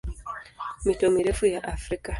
Mito mirefu ya Afrika